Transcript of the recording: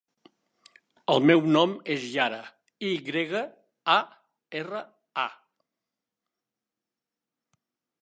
El meu nom és Yara: i grega, a, erra, a.